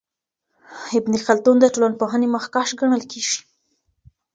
ابن خلدون د ټولنپوهنې مخکښ ګڼل کیږي.